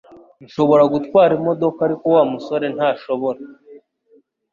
Nshobora gutwara imodoka ariko Wa musore ntashobora